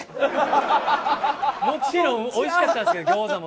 もちろん美味しかったんですけど餃子も。